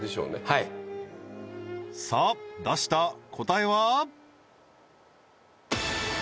はいさあ出した答えは？